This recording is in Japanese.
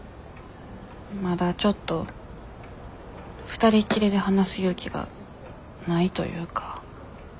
まだちょっと２人きりで話す勇気がないというか。